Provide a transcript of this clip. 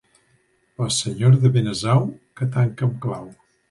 La senyora de Benasau, que tanca amb clau.